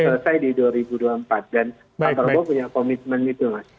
selesai di dua ribu dua puluh empat dan pak prabowo punya komitmen itu mas